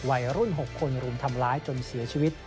วัยรุ่น๖คนรุมทำร้ายจนเสียชีวิต